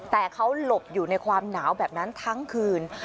แต่เขาหลบอยู่ในความหนาวแบบนั้นทั้งคืน